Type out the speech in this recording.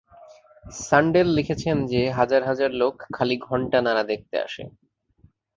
সাণ্ডেল লিখছেন যে, হাজার হাজার লোক খালি ঘণ্টানাড়া দেখতে আসে।